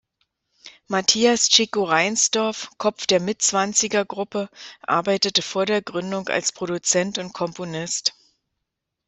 Matthias „Chico“ Reinsdorf, Kopf der Mittzwanziger-Gruppe, arbeitete vor der Gründung als Produzent und Komponist.